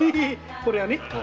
これはね